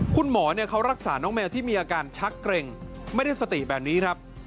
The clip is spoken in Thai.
คุณหมอเขารักษาน้องแมวที่มีอาการชักเกร็งไม่ได้สติแบบนี้ครับ